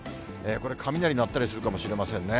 これ、雷鳴ったりするかもしれませんね。